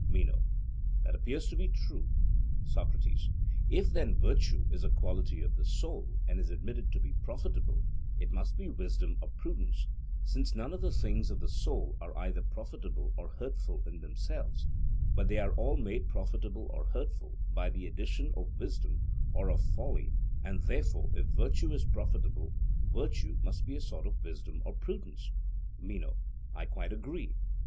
MENO: That appears to be true. SOCRATES: If then virtue is a quality of the soul, and is admitted to be profitable, it must be wisdom or prudence, since none of the things of the soul are either profitable or hurtful in themselves, but they are all made profitable or hurtful by the addition of wisdom or of folly; and therefore if virtue is profitable, virtue must be a sort of wisdom or prudence? MENO: I quite agree.